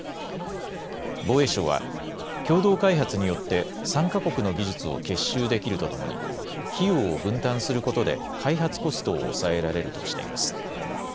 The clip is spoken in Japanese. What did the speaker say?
防衛省は共同開発によって３か国の技術を結集できるとともに費用を分担することで開発コストを抑えられるとしています。